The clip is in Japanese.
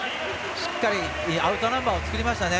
しっかりアウトナンバー作りましたね。